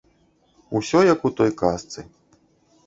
Усё як у той казцы.